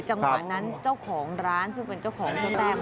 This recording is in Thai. จังหวะนั้นเจ้าของร้านซึ่งเป็นเจ้าของเจ้าแต้ม